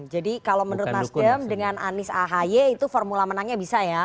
jadi kalau menurut nasdem dengan anies ahy itu formula menangnya bisa ya